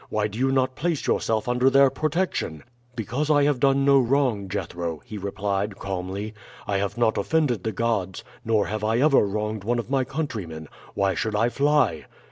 Why do you not place yourself under their protection?' "'Because I have done no wrong, Jethro,' he replied calmly. 'I have not offended the gods, nor have I ever wronged one of my countrymen. Why should I fly?'